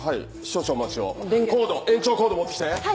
延長コード持ってきて！